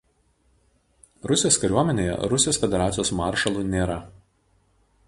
Rusijos kariuomenėje Rusijos Federacijos maršalų nėra.